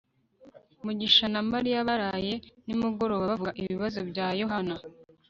mugisha na mariya baraye nimugoroba bavuga ibibazo bya yohana